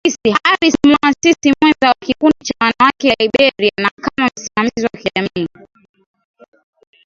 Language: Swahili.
Harris muasisi mwenza wa Kikundi cha Wanawake Liberia na kama msimamizi wa kijamii